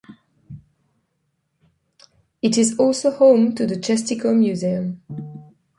It is also home to the Chestico Museum.